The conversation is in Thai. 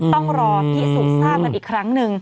ต้องรอพิสูจน์ทราบกันอีกครั้งหนึ่ง